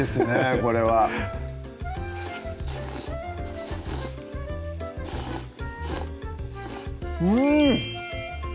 これはうん！